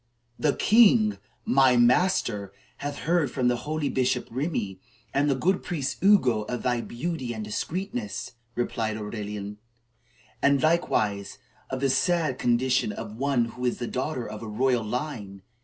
"The king, my master, hath heard from the holy Bishop Remi and the good priest Ugo of thy beauty and discreetness," replied Aurelian; "and likewise of the sad condition of one who is the daughter of a royal line.